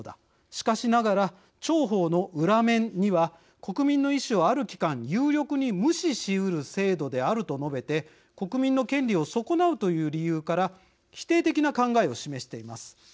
しかしながら重宝の裏面には国民の意思をある期間有力に無視しうる制度である」と述べて、国民の権利を損なうという理由から否定的な考えを示しています。